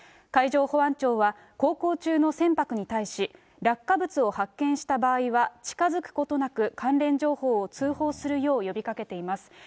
海上保安庁は、航行中の船舶に対し、落下物を発見した場合は、近づくことなく、関連情報を通報するよう呼びかけています。